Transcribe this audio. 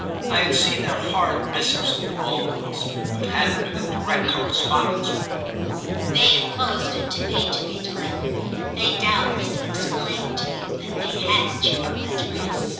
I had seen their horrid missives to the Mulvilles, but hadn't been in direct correspondence with them. "They enclosed it to me, to be delivered. They doubtless explain to you that they hadn't your address."